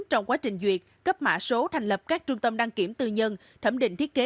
trong quá trình duyệt cấp mã số thành lập các trung tâm đăng kiểm tư nhân thẩm định thiết kế